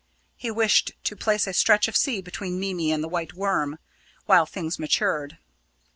He wished to place a stretch of sea between Mimi and the White Worm, while things matured.